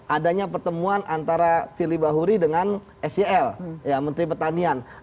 adanya pertemuan antara firly bahuri dengan sel menteri pertanian